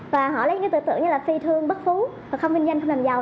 và họ lấy những tự tượng như là phi thương bất phú không vinh danh không làm giàu